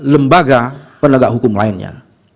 lembaga penegak hukum lainnya